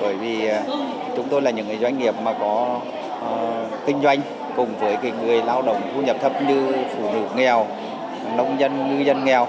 bởi vì chúng tôi là những doanh nghiệp có kinh doanh cùng với người lao động thu nhập thấp như phụ nữ nghèo nông dân ngư dân nghèo